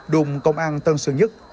đùng công an tân sơn nhất